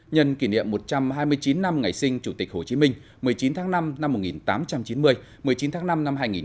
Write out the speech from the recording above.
nhân kỷ niệm một trăm hai mươi chín năm ngày sinh chủ tịch hồ chí minh một mươi chín tháng năm năm một nghìn tám trăm chín mươi một mươi chín tháng năm năm hai nghìn hai mươi